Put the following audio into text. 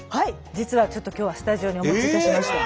実はちょっと今日はスタジオにお持ちいたしました。